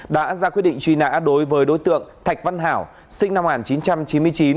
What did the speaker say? đã ra quyết định truy nã đối với đối tượng thạch văn hảo sinh năm một nghìn chín trăm chín mươi chín